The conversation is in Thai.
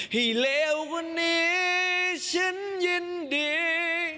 ผิดเลวคนนี้ฉันเย็นดี